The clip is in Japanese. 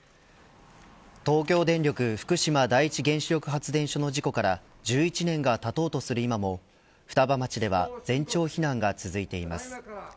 東京電力福島第一原子力発電所の事故から１１年がたとうとする今も双葉町では全町避難が続いています。